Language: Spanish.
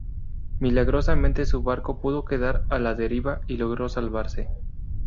Milagrosamente su barco pudo quedar a la deriva y logró salvarse.